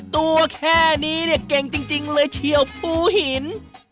ตัวแค่นี้เนี่ยเก่งจริงเลยเฉียวภูหิน